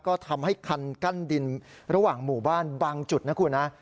ก็ทำให้คันกั้นดินระหว่างหมู่บ้านบางจุดนะคุณนะ